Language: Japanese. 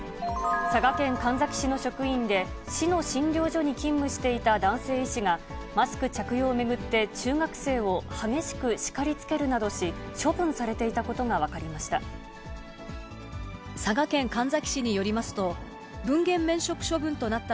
佐賀県神埼市の職員で、市の診療所に勤務していた男性医師が、マスク着用を巡って中学生を激しく叱りつけるなどし、処分されていたことが分かりました。